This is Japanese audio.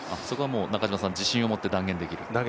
そこは中嶋さん、自信を持って断言できる？